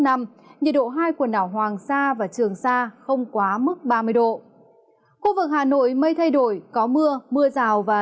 nhiệt độ hai quần đảo hoàng sa và trường sa không quá mức ba mươi độ khu vực hà nội mây thay đổi có mưa mưa rào và